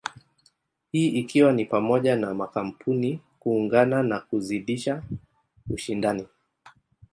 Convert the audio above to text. Hii ikiwa ni pamoja na makampuni kuungana na kuzidisha ushindani.